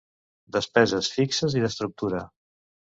Despeses fixes d'estructura.